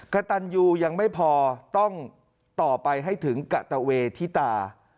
กระตันยูยังไม่พอต้องต่อไปให้ถึงกะตะเวทิตา